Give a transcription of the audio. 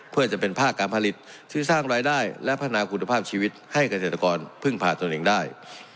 เพื่อจะเป็นภาคการผลิตที่สร้างรายได้และพัฒนาคุณภาพชีวิตให้เกษตรกรพึ่งพาตนเองได้